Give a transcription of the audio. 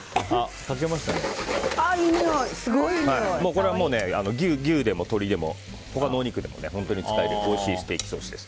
これは牛でも鶏でも他のお肉でも使えるおいしいステーキソースです。